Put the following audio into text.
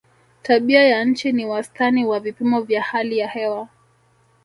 tabia ya nchi ni wastani wa vipimo vya hali ya hewa